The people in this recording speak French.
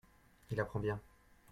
Il apprend bien.